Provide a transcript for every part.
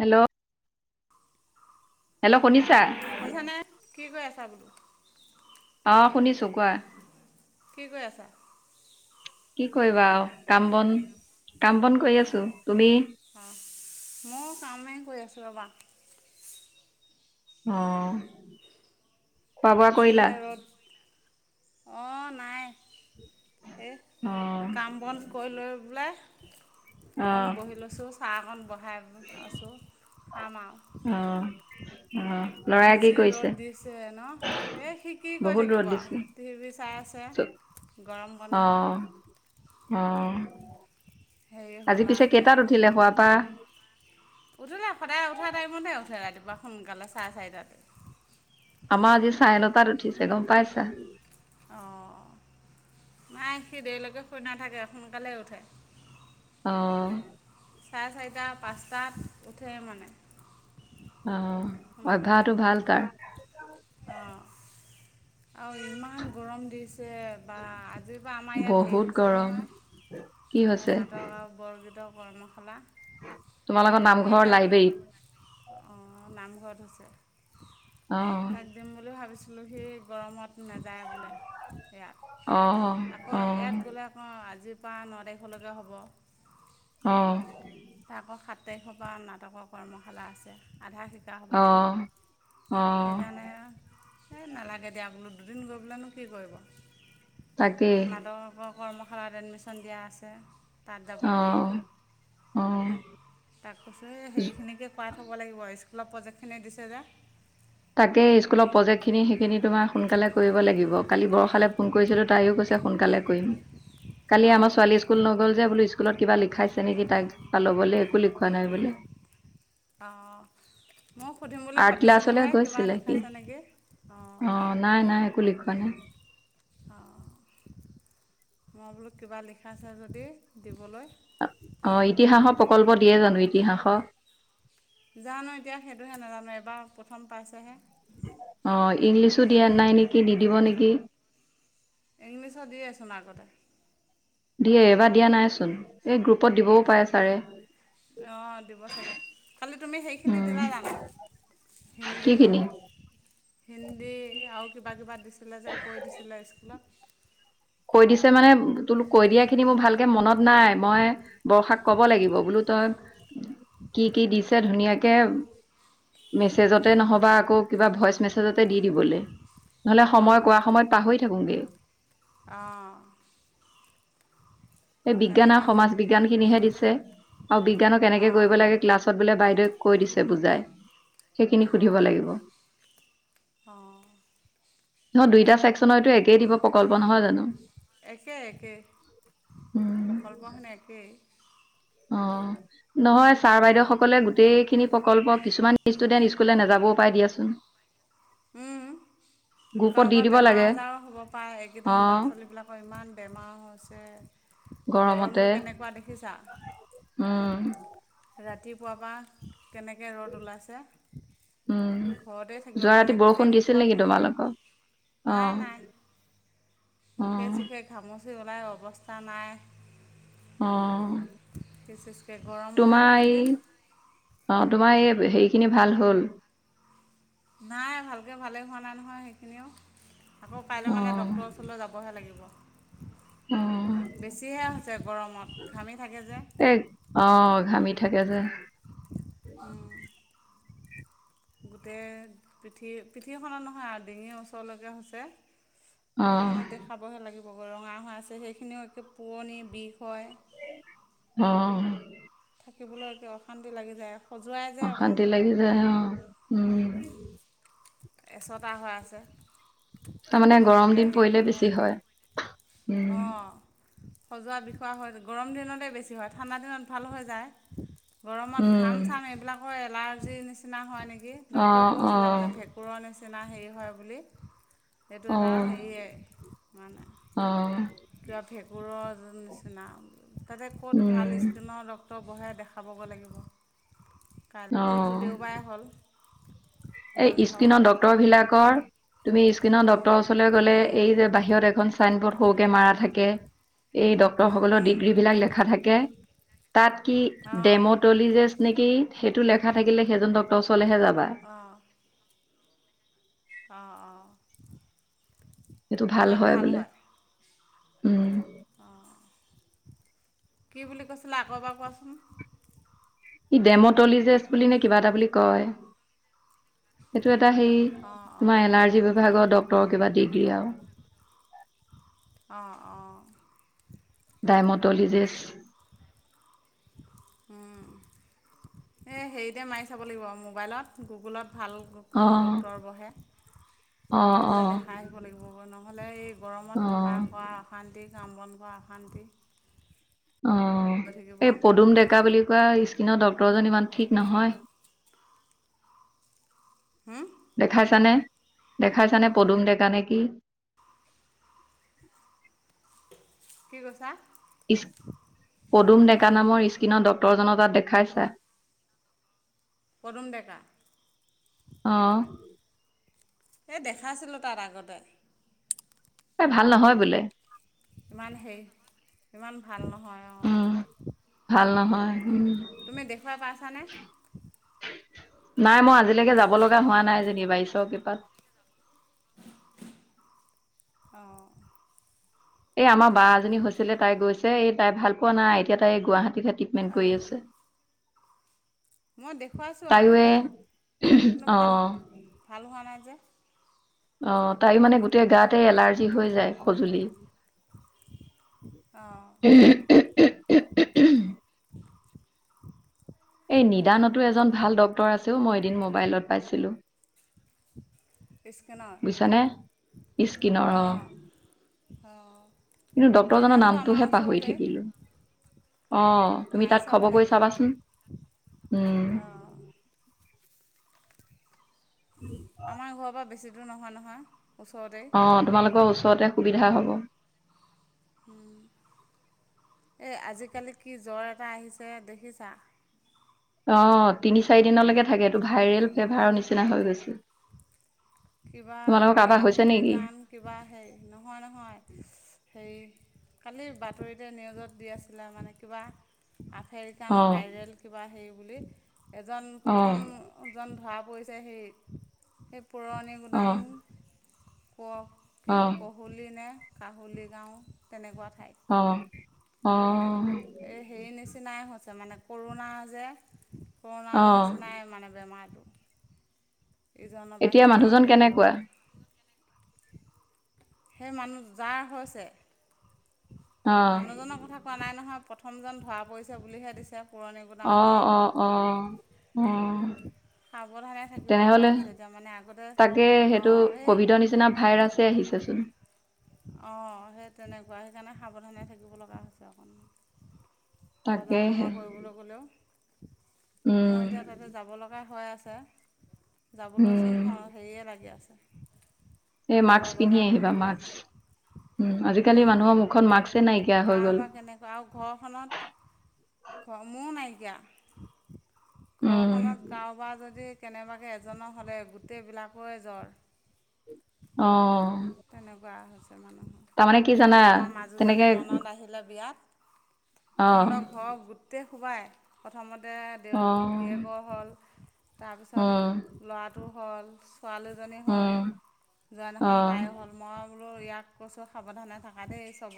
Hello hello শুনিছা শুনছানে কি কৈ আছা বোলো? অ শুনিছ- কি কৰি আছা? কি কৰিবা আও কাম বন কাম বন কৰি আছো। অঁ তুমি? অঁ ময়ো কামেই কৰি আছোঁ ৰবা অহ। যি হে ৰ'দ অহ নাই। এ অ কাম বন কৰি লৈ পেলাই অ অকণ বহি লৈছোঁ, চাহ অকণ বহাই আছোঁ খাম আও। অ। অ লৰাই কি আজি কৰিছে ৰ'দ দিছে ন এই হি কি কৰি বহুত ৰ'দ থাকিব দিছে আৰু টিভি চাই আছ- চ- ছে গৰম অ বন্ধ। অ হেৰি আজি হ'ল আৰু পিছে এতিয়া কেইটাত উঠিলা শুৱা পা বা সোনকালে চাৰে চাৰিটাতে। আমাৰ আজি চাইনতাত উঠিচো গম পাইছা। অ নাই সি দেৰিলৈকে শুই নাথাকে সোনকালে উঠে। অহ। চাৰে চাৰিটা পাঁচটাত উঠে মানে। অ', সোনকালে অভ্যাসটো ভাল তাৰ। [unintelligible] আৰু ইমান গৰম দিছে বা আজিৰ বা আমাৰ ইয়াত হেৰি বহুত হৈছে গৰম কি নহয়। হৈছে নাটক আৰু বৰগীতৰ কৰ্মশালা। তোমাৰ লোকৰ নামঘৰ লাইব্ৰেৰীত। অ নামঘৰত হৈছে। অহ। তাক দিম বুলি ভাবিছিলোঁ সি গৰমত নাযায় বোলে। ইয়াত অ অ আকৌ অ ইয়াত গ'লে আকৌ আজিৰ পৰা ন তাৰিখলৈকে হ'ব। অ', তাক সাত তাৰিখৰ পৰা নাটকৰ কৰ্মশালা আছে। আধা শিকা হ'ব যে অহ অহ। সেইকাৰণে এই নালাগে দিয়া বোলো দুদিন গৈ বোলেনো কি কৰিব, তাকেই মাদকক কৰ্মশালাত এডমিশন দিয়া আছে তাত যাব লাগিব। অ', অ'। তাক কৈছো সেইখিনিকে কৰা থ'ব লাগিব স্কুলৰ প্ৰজেক্টখিনি দিছে যে। তাকে স্কুলৰ প্ৰজেক্ট খিনি সেইখিনি তোমাৰ সোনকালে কৰিব লাগিব। কালি বৰশালে ফোন কৰিছিলো তাইও কৈছে, সোনকালে তালে কৰিম। কালি আমাৰ অঁ ছোৱালী স্কুল নগ'ল যে বোলো স্কুলত কিবা লিখাইছে নেকি তাইক তা ল'বলে। বুলি কোৱা নাই বোলে অ ময় সুধিম বুলি আৰ্ট ক্লাছলৈ ভাবিছিলোঁহে কিবা গৈছিলে সি লিখাইছে নেকি? অঁ অ নাই নাই একো লিখোৱা নাই। অ মই বোলো কিবা লিখাছে যদি দিবলৈ অ ইতিহাসৰ প্ৰকল্প দিয়ে জানো ইতিহাস জানো এতিয়া সেইটোহে নাজানো এবাৰ প্ৰথম পাইছেহে। অ', ইংলিছো দিয়া নাই নেকি দি দিব নেকি? ইংলিছৰ দিয়ে চোন আগতে। দিয়ে এইবাৰ দিয়া নাই চোন, এই গ্ৰুপত দিবও পাৰে ছাৰে। অ', দিব চাগে, কালি তুমি সেইখিনি উম, দিলা জানো? কি হিন্দী। খিনি হিন্দী, আৰু কিবা কিবা দিছিলে যে কৈ দিছিলে স্কুলত। কৈ দিছে মান, ে তোলো কৈ দিয়া খিনি মোৰ ভালকে মনত নাই মই, বৰ্ষাক কব লাগিব, বোলো তই, কি কি দিছে ধুনীয়াকে মেছেজতে নহবা আকৌ কিবা ভইচ মেছেজতে দি দিবলে। নহলে অঁ সময় কোৱা সময়ত পাহৰি থাকোগে। অ', এই বিজ্ঞান আৰু হেৰি সমাজ কৰিব বিজ্ঞান লাগিব খিনিহে দিছে, আৰু বিজ্ঞানো কেনেকে অঁ কৰিব লাগে ক্লাছত বোলে বাইদেউ কৈ দিছে বুজাই। সেইখিনি সুধিব অঁ লাগিব। অঁ অঁ নে দুইটা ছেকশনতে একেই দিব প্ৰকল্প, নহয় জানো? একে একেই, প্ৰকল্পখিনি একেই। অ', নহয় ছাৰ বাইদেউ সকলে গোটেইখিনি প্ৰকল্প কিছুমান ষ্টুডেন্ট স্কুললে নেযাব পাই দিয়াচোন। উম, গ্ৰুপত দি কাৰোবাৰ দিব বেমাৰ লাগে আজাৰো হ'ব পাৰে, অ এইকেইদিন ল'ৰা ছোৱালীবিলাকৰ ইমান বেমাৰ হৈছে। গৰমতে গৰমটো কেনেকুৱা দেখিছা? উম, ৰাতিপুৱাৰ পা কেনেকে ৰ'দ ওলাইছে। উম, ঘৰতে থাকিব যোৱা পৰা ৰাতি নাই গোটেই বৰষুণ দিছিল মুখত নেকি তোমালোকৰ, অ, নাই নাই অ মুখে চুখে ঘামচি ওলাই অৱস্থা নাই। অ', বিশেষকে গৰমতে তোমাৰ এই এইকেইদিন অ তোমাৰ এই, হেৰিখিনি ভাল হ'ল? নাই ভালকে ভালেই হোৱা নাই নহয় সেইখিনিও। আকৌ কাইলে অ মানে ডক্তৰৰ ওচৰলে যাবহে লাগিব। অ বেছিহে হৈছে গৰমত, ঘামি থাকে যে। এ, অ, ঘামি থাকে যে। গোটেই, পিঠি, পিঠিখনৰ নহয় আৰু ডিঙিৰ ওচৰলৈকে হৈছে। অ সেইখিনি দেখাবহে লাগিব ৰঙা হৈ আছে সেইখিনিও একে পুৰণি বিষ হয়। অ', আকিবলৈয়ো অশান্তি লাগি যায়। খজুৱাই যে অকণ অশান্তি লাগি যায়, অ, উম, এচটা হৈ আছে। তাৰমানে গৰম ভালকৈ দিন হেৰি পৰিলে কৰিবলৈ বেছি নহয় হয়, উম, খজোৱাৰ বিষৱা হয় গৰম দিনতে বেছি হয় ঠাণ্ডা দিনত ভাল হৈ যায়। উম গৰমত ঘাম উম চাম এইবিলাকৰ এলাৰ্জিৰ নিচিনা হয় নেকি, অ ডাক্তৰে অ কৈছিলে মানে ভে নিচিনা হেৰি হয় বুলি, সেইটো অ এটা হেৰিয়ে, উম, অ কিবা ভেঁকুৰৰ নিচিনা, তাতে ক'ত ভাল উম স্কিনৰ ডক ক্তৰ বহে দেখাবগে লাগিব, কাই অ দেওবাৰে হ'ল। এই বন্ধ স্কিনৰ ডক্তৰ বিলাকৰ, তুমি স্কিনৰ ডক ক্তৰ ওচৰলৈ গ'লে এই যে বাহিৰত এখন চাইনবৰ্ড সৰুকে মাৰা থাকে। এ ডক্তৰ সকলৰ ডিগ্ৰীবিলাক লেখা থাকে। তাত কি, অঁ অঁ অঁ দেমতলেগিষ্ট নেকি সেইটো লেখা থাকিলে সেইজন ডক্তৰ ওচৰলেহে যাবা। অঁ অঁ। সেইটো ভাল হয় বোলে উম। কি বুলি কৈছিলে, আকৌ এবাৰ কোৱাচোন? ই ডেমটলিজেচ বুলি নে কিবা এটা বুলি কয়। সেইটো এটা হেৰি অঁ অঁ তোমাৰ এলাৰ্জি বিভাগৰ ড ক্তৰ কিবা ডিগ্ৰী আৰু অঁ, অঁ। ডাইমটলিজিছ এই হেৰিতে মাৰি চাব লাগিব মোবাইলত, গুগলত ভাল অ কোন ডক্তৰ বহে, অ বহি অ পেলাই দেখাই আহিব লাগিব নহ'লে এই গৰমত থকা অ -কৰা অশান্তি, কাম- বন কৰা অশান্তি অ, হৈ থাকিব এই পদুম ডেকা বুলি কোৱা স্কি নৰ ডক্টৰজন ইমান ঠিক নহয় হুম দেখাইছানে? দেখাইছানে পদুম ডেকা নেকি? কি কৈছা? ইছ পদুম ডেকা নামৰ স্কিনৰ ডক্তৰজনৰ তাত দেখাইছা? পদুম ডেকা? অ এই দেখাইছিলোঁ তাৰ আগতে এ ভাল নহয় বোলে। ইমান হেৰি, ইমান ভাল নহয় উম অ ভাল নহয়, উম। তুমি দেখুৱাই পাইছানে নাই মই আজিলৈকে যাব লগা হোৱা নাই যেনিবা ঈশ্বৰৰ কৃপাত। অঁ। এই আমাৰ বা এজনী হৈছিলে তাই গৈছে, এই তাই ভাল পোৱা নাই এতিয়া তাই গুৱাহাটীতহে ট্ৰিটমেণ্ট অঁ কৰি আছে। মই দেখুৱাইছোঁ তাইও আগতে, এই কোনো অ ভাল-ভাল হোৱা নাই যে? অ', তাই মানে গোটেই গাতে এলাৰ্জি হৈ যায়, খজুলি। অঁ [unintelligible] [inaudible] এই নিদানতো এজন ভাল ডক্টৰ আছেও মই এদিন মোবাইলত পাইছিলোঁ স্কেনৰ বুজিছনে, স্কিনৰ অ। কিন্তু ডক্তৰজনৰ নিদান্ত আমাৰ নামটোহে পাহৰি ওচৰতে। থাকিলোঁ অ তুমি তাক খবৰ কৰি চাবাচোন। উম অ। আমাৰ ঘৰৰ পৰা বেছি দূৰ নহয় নহয় ওচৰতে অ, তোমালোকৰ ওচৰতে সুবিধা হব। হুম। এই আজিকালি কি জ্বৰ এটা আহিছে দেখিছা? অ, তিনি- চাৰি দিনলৈকে থাকে এইটো ভাইৰেল ফেভাৰৰ নিচিনা হৈ গৈছে কিবা তোমালোকৰ কি কাৰোবাৰ হৈছে নেকি আফেৰিকান কিবা হে নহয় নহয় হেৰি কালি বাতৰিতে নিউজত দি আছিলে মানে কিবা আফেৰিকান অ ভাইৰেল কিবা হেৰি বুলি, এজন অ প্ৰথমজন ধৰা পৰিছে সেই, সেই পুৰণি অ গুদাম প কি অ কহলি নে কাহলুলি গাওঁ তেনেকুৱাত অ অ এই হেৰি নিচিনাই হৈছে মানে কৰোণা যে অ কৰোণাৰ নিচিনাই মানে বেমাৰটো ইজনৰ পা এতিয়া সিজনৰ মানুহজন লৈ কেনেকুৱা বিয়পা। সেই মানুহ যাৰ হৈছে অ মানুহজনৰ কথা কোৱা নাই নহয় প্ৰথমজন ধৰা পৰিছে বুলিহে দিছে পুৰণি গোদাম অহ, হেৰিত অ, অহ, উম। সাৱধানে থাকিব লগা তেনেহলে, হৈছে এতিয়া মানে আগতে তাকে, সেইটো অঁ এই কভিডৰ নিচিনা ভাইৰাছে আহিছে [unintelligible] অ', সেই তেনেকুৱাই সেইকাৰণে সাৱধানে থাকিব লগা হৈছে অকণমান। বজাৰসমা তাকেহে কৰিবলৈ গ'লেও, মই উম এতিয়া তাতে যাব লগা হৈ আ ছে, যাবলৈচোন উম [unintelligible] হেৰিয়ে লাগি আছে। এ ঘৰৰ মাস্ক পিন্ধি বজাৰ আহিবা, মাস্ক। কৰিবলৈ উম, আজিকালি মানুহৰ মুখত মাস্কেই নাইকিয়া হৈ গ'ল। কাৰোবাৰ কেনেকুৱা আৰু ঘৰখনত [unintelligible] নাইকিয়া উম ঘৰখনত কাৰোবাৰ যদি কেনেবাকে এজনৰ হ'লে গোটেইবিলাকৰ জ্বৰ। অ', তাৰমানে কি [unintelligible] জানা এ আমাৰ মাজুজনী তেনেকে ননদ আহিলে বিয়াত। অ সিহঁতক ঘৰ গোটেই সোপাই প্ৰথমতে দে, অ গিৰিয়েকৰ হ'ল। উম তাৰপিছত, ল'ৰাটো হ'ল, ছোৱালীজনী হ'ল, উম অ [unintelligible] তাই হ'ল মই বোলো ইয়াক কৈছোঁ সাৱধানে থাকা দে চব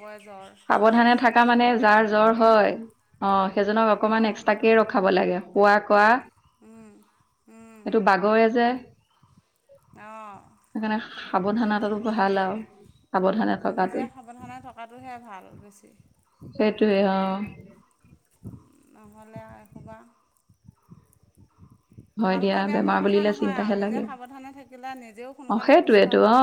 সাৱধানে থকা মানে যাৰ থাকা জ্বৰ হয়, অ, সেইজনক অকমান এক্সট্ৰাকে ৰখাব লাগে, শুৱাত এইটো অঁ বাগৰে যে। অঁ সেইকাৰণে সাৱধানাতো ভাল আৰু। সাৱধানে থকাটো নিজে সাৱধানে থকাটোহে ভাল। বেছি সেইটোৱে অ, নহ'লে আৰু সোপা। হয় ভাল দিয়া পোৱা বেয়া পোৱা বেমাৰ কথা বুলিলে নহয় আৰু চিন্তাহে নিজে লাগে সাৱধানে থাকিলে নিজেও অ সোনকালে সুস্থ সেইটোৱেতো হ'ল। অ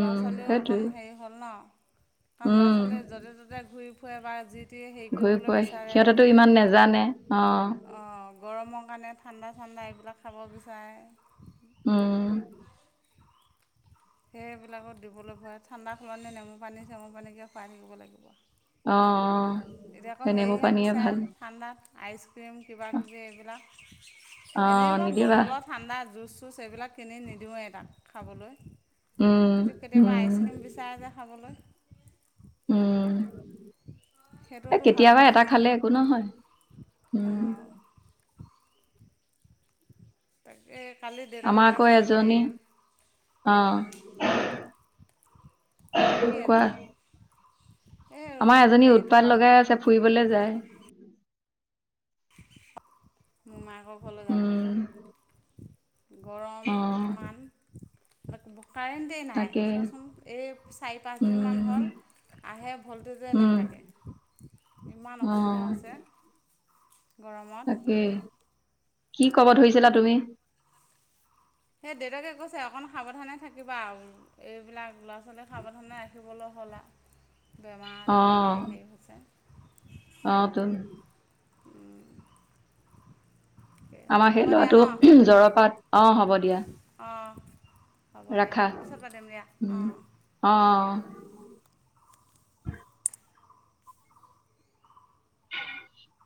ল'ৰা ছোৱালীয়েও অকণ সেইটোৱে হেৰি হ'ল ন', কাৰণ ল'ৰা উম ছোৱালীয়ে য'তে ত'তে ঘূৰি ফুৰে বা যি টি হেৰি ঘূৰি কৰিবলৈ ফুৰে, সিহঁতেটো ইমান নেজানে অ, অ', গৰমৰ কাৰণে ঠাণ্ডা ঠাণ্ডা এইবিলাক খাব বিচাৰে। উম, সেইবিলাকত দিবলৈ ভৰা ঠাণ্ডা খোৱালে নেমু পানী চেমু পানীকে খুৱাই থাকিব লাগিব। অ, অ, এতিয়া আকৌ সেনেবোৰ হেৰিহে পানীয়ে বিচাৰে ভাল ঠাণ্ডাত আইচক্ৰীম কিবাকিবি অ এইবিলাক এনেই মই নিদিবা বটলৰ ঠাণ্ডা জুচ [unintelligible] এইবিলাক কিনি নিদিওঁৱেই তাক, খাবলৈ। উম [unintelligible] কেতিয়াবা উম আইচক্ৰীম বিচাৰে যে খাবলৈ। উম [unintelligible] এ সেইটোওতো ভাল কেতিয়াবা বস্তু এটা খালে একো নহয়, হুম, অঁ তাকে কালি দেউতাকে আমাৰ আকৌ কৈছে, এজনী হেৰি, অ, কোৱা। এই আমাৰ এজনী হেৰিটো উৎপাত আৰু লগাই আছে ফুৰিবলে যায়। মোমাইকৰ ঘৰলে উম যাবলে। গৰম, অ ইমান, [unintelligible] কাৰেণ্টেই নাই তাকে চোৱাচোন এই চাৰি পাঁচ দিন মান উম হ'ল আহে ভল্টেজে উম নাথাকে। ইমান অসুবিধা অ', হৈছে। গৰমত। তাকেই কি ক'ব ধৰিছিলা তুমি? সেই দেউতাকে কৈছে অকণ সাৱধানে থাকিবা আৰু, এইবিলাক ল'ৰা ছোৱালীয়েক সাৱধানে ৰাখিবলৈ [unintelligible] আজাৰ ইমান অ', হেৰি হৈছে অতো। আমাৰ হ'ব সেই দিয়া ল'ৰাটো, ন জ্বৰৰ পৰা, অ, হ'ব দিয়া। অঁ হ'ব দিয়া, ৰাখা। পিছত পাতিম দিয়া, অ, উম, অ', অ'। [unintelligible]